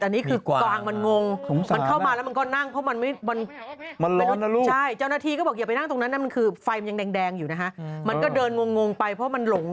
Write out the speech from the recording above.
อันนี้คือกว้างมันงงมันเข้ามาแล้วมันก็นั่ง